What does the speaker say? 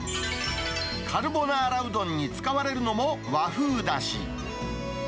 カルボナーラうどんに使われるのも和風だし。